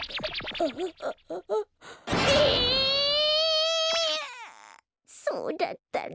ああそうだったの。